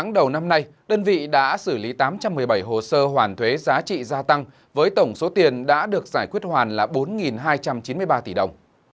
đơn vị đã xử lý tám trăm một mươi bảy hồ sơ hoàn thuế giá trị gia tăng với tổng số tiền đã được giải quyết hoàn là bốn hai trăm chín mươi ba tỷ đồng